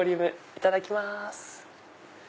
いただきます。